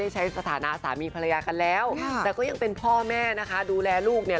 ของเพลงคุณลำไย